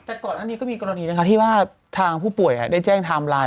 แต่ก่อนอันนี้ก็มีกรณีนะคะที่ว่าทางผู้ป่วยได้แจ้งไทม์ไลน์